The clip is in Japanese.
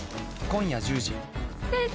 今夜１０時。